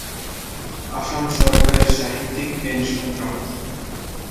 আসাম সরকারের সাহিত্যিক পেন্সনপ্রাপ্ত।